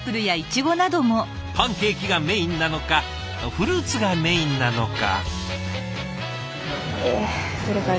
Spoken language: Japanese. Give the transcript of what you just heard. パンケーキがメインなのかフルーツがメインなのか。